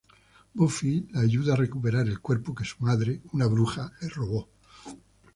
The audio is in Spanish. Buffy la ayuda a recuperar el cuerpo que su madre, una bruja, le robó.